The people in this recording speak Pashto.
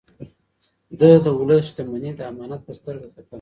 ده د ولس شتمني د امانت په سترګه کتل.